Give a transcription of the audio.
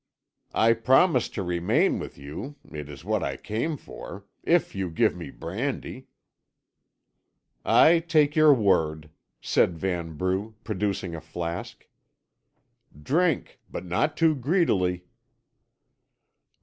"I promise to remain with you it is what I came for if you give me brandy." "I take your word," said Vanbrugh, producing a flask. "Drink, but not too greedily."